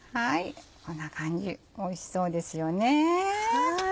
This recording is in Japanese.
こんな感じおいしそうですよね。